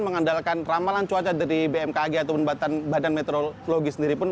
mengandalkan ramalan cuaca dari bmkg ataupun badan meteorologi sendiri pun